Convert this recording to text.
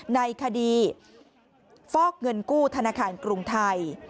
ในคดีฟอกเงินกู้ธนาคารกรุงไทย